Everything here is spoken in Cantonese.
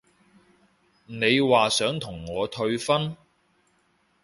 你話想同我退婚？